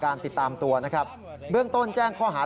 การติดตามตัวบื้องต้นแจ้งข้อหา